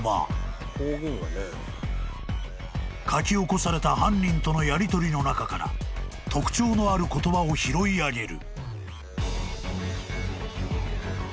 ［書き起こされた犯人とのやりとりの中から特徴のある言葉を拾い上げる］